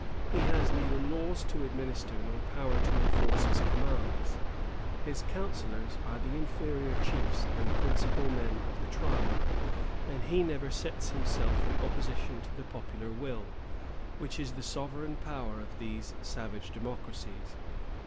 He has neither laws to administer nor power to enforce his commands. His counsellors are the inferior chiefs and principal men of the tribe; and he never sets himself in opposition to the popular will, which is the sovereign power of these savage democracies.